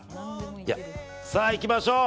さあ、いきましょう。